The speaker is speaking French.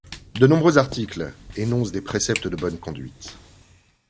De nombreux articles énoncent des préceptes de bonne conduite.